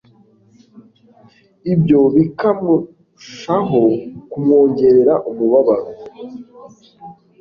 ibyo bikamshaho kumwongerera umubabaro.